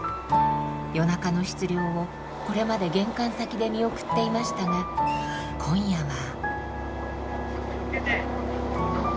夜中の出漁をこれまで玄関先で見送っていましたが今夜は。